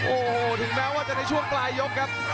โอ้โหถึงแม้ว่าจะในช่วงปลายยกครับ